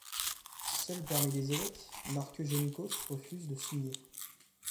Seul parmi les évêques, Marc Eugénikos refuse de signer.